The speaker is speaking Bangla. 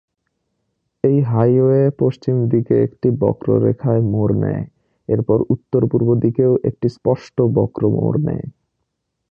এই হাইওয়ে পশ্চিম দিকে একটি বক্ররেখায় মোর নেয়, এরপর উত্তরপূর্ব দিকেও একটি স্পষ্ট বক্র মোর নেয়।